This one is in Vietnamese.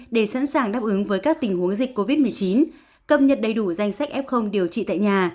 để sẵn sàng đáp ứng với các tình huống dịch covid một mươi chín cập nhật đầy đủ danh sách f điều trị tại nhà